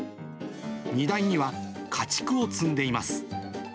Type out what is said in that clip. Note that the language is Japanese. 荷台には家畜を積んでいます。